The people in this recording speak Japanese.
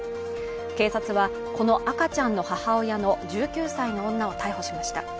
警察はこの赤ちゃんの母親の１９歳の女を逮捕しました。